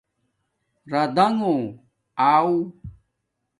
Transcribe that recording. رادونݣ آݸ